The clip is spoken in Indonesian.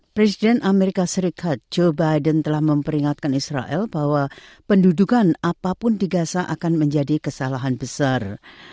presiden amerika serikat joe biden telah memperingatkan israel bahwa pendudukan apapun di gaza akan menjadi kesalahan besar